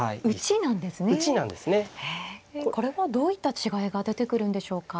へえこれはどういった違いが出てくるんでしょうか。